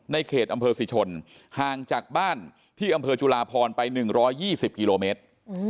ในเขตอำเภอสิชนห่างจากบ้านที่อำเภอจุลาพรไป๑๒๐กิโลเมตร